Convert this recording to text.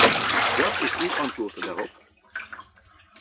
Wat is uw antwoord daarop?